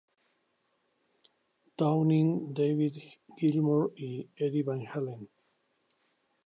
Downing, David Gilmour y Eddie Van Halen.